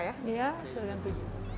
iya sudah ganti